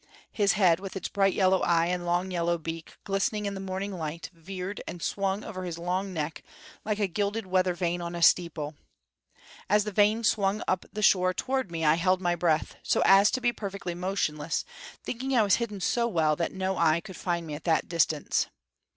His head, with its bright yellow eye and long yellow beak glistening in the morning light, veered and swung over his long neck like a gilded weather vane on a steeple. As the vane swung up the shore toward me I held my breath, so as to be perfectly motionless, thinking I was hidden so well that no eye could find me at that distance.